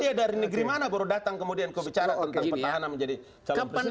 dia dari negeri mana baru datang kemudian kebicara tentang pertahanan menjadi calon presiden